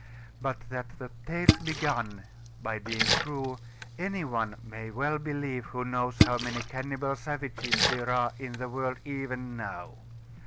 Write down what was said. But that the tales began by being true any one may well believe who knows how many cannibal savages there are in the world even now.